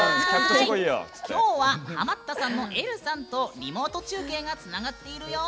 今日はハマったさんの、えるさんとリモート中継がつながっているよ。